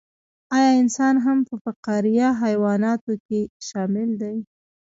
ایا انسان هم په فقاریه حیواناتو کې شامل دی